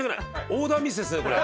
オーダーミスですねこれ。